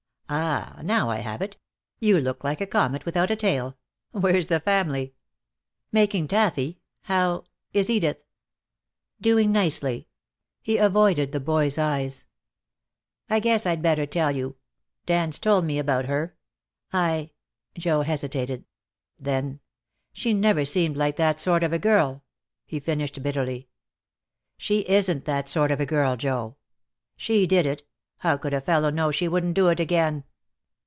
Ah, now I have it. You look like a comet without a tail. Where's the family?" "Making taffy. How is Edith?" "Doing nicely." He avoided the boy's eyes. "I guess I'd better tell you. Dan's told me about her. I " Joe hesitated. Then: "She never seemed like that sort of a girl," he finished, bitterly. "She isn't that sort of girl, Joe." "She did it. How could a fellow know she wouldn't do it again?"